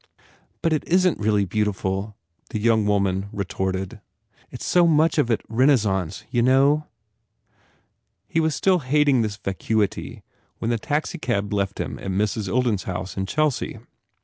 "But it isn t really beautiful," the young woman retorted, "It s so much of it Renaissance, you know?" He was still hating this vacuity when the taxi cab left him at Mrs. Ilden s house in Chelsea.